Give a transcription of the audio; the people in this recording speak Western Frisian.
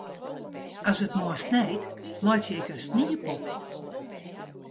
As it moarn snijt, meitsje ik in sniepop.